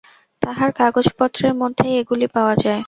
তাঁহার কাগজ-পত্রের মধ্যেই এগুলি পাওয়া যায়।